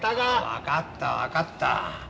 分かった分かった。